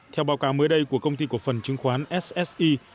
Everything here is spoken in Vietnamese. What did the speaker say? theo báo cáo mới đây của công ty cổ phần chứng khoán sse